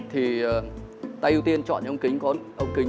thì tay ưu tiên chọn những ống kính